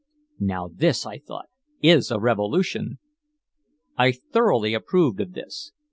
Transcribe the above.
"Now, this," I thought, "is a revolution!" I thoroughly approved of this.